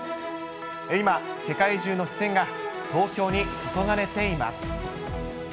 今、世界中の視線が東京に注がれています。